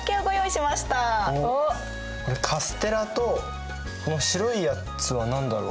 おっカステラとこの白いやつは何だろう。